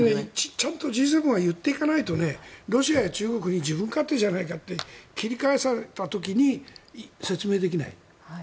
ちゃんとＧ７は言っていかないとロシアや中国に自分勝手じゃないかと切り返された時に説明できない。